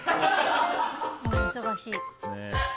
忙しいね。